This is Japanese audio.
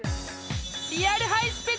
［リアルハイスペ